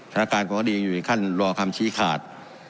สถานะการณ์กดีอยู่ในขั้นรัวคำชี้ขาด